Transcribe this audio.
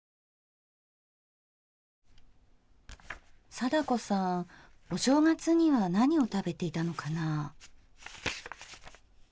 貞子さんお正月には何を食べていたのかな。